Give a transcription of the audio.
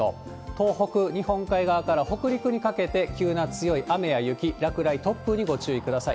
東北、日本海側から北陸にかけて、急な強い雨や雪、落雷、突風にご注意ください。